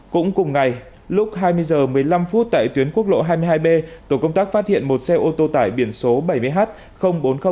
cũng cùng ngày lúc hai mươi h một mươi năm tại tuyến quốc lộ hai mươi hai b tổ công tác phát hiện một xe ô tô tải biển số bảy mươi h bốn nghìn ba mươi bốn